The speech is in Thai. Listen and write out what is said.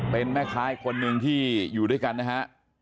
เป็นแม่ค้าอีกคนนึงที่อยู่ด้วยกันนะฮะ